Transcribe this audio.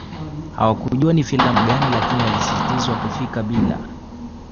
Hawakujua ni filamu gani lakini walisisitizwa kufika bila